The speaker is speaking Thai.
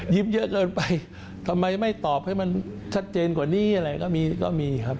เยอะเกินไปทำไมไม่ตอบให้มันชัดเจนกว่านี้อะไรก็มีก็มีครับ